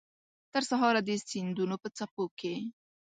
ترسهاره د سیندونو په څپو کې